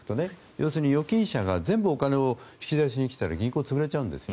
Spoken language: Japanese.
要するに預金者が全部お金を引き出しに来たら銀行は潰れちゃうんです。